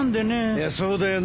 いやそうだよな。